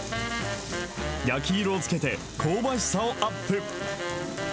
焼き色をつけて、香ばしさをアップ。